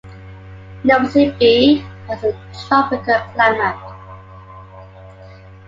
Nosy Be has a tropical climate.